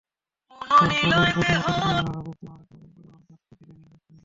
সরকার রেলকে সংকুচিত করে ব্যক্তিমালিকানাধীন পরিবহন খাতকে ধীরে ধীরে শক্তিশালী করছে।